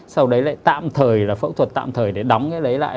sau đấy lại tạm thời là phẫu thuật tạm thời để đóng cái lấy lại